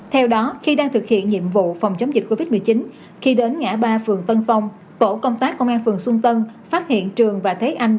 theo đó khi đang thực hiện nhiệm vụ phòng chống dịch covid một mươi chín khi đến ngã ba phường tân phong tổ công tác công an phường xuân tân phát hiện trường và thấy anh